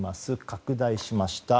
拡大しました。